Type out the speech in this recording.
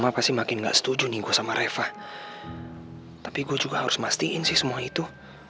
pasti makin nggak setuju nih gue sama reva tapi gue juga harus mastiin sih semua itu